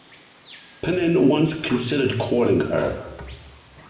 Pnin once considered courting her.